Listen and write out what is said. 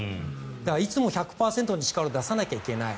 だからいつも１００％の力を出さないといけない。